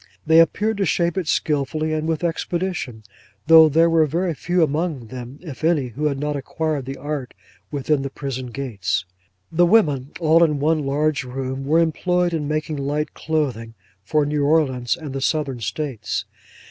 They appeared to shape it skilfully and with expedition, though there were very few among them (if any) who had not acquired the art within the prison gates. The women, all in one large room, were employed in making light clothing, for New Orleans and the Southern States.